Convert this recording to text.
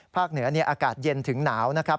เหนืออากาศเย็นถึงหนาวนะครับ